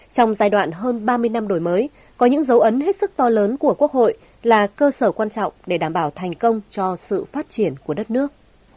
trong giai đoạn hơn ba mươi năm đổi mới có những dấu ấn hết sức to lớn của quốc hội là cơ sở quan trọng để đảm bảo thành công cho sự phát triển của đất nước